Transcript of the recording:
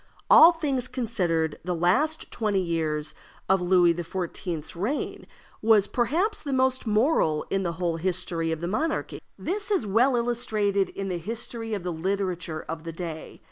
All things considered, the last twenty years of Louis XIV.'s reign was perhaps the most moral in the whole history of the monarchy. This is well illustrated in the history of the literature of the day.